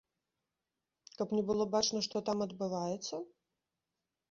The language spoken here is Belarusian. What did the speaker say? Каб не было бачна, што там адбываецца?